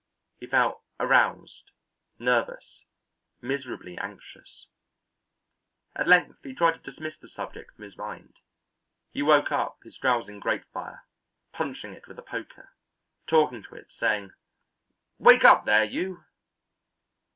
He felt aroused, nervous, miserably anxious. At length he tried to dismiss the subject from his mind; he woke up his drowsing grate fire, punching it with the poker, talking to it, saying, "Wake up there, you!"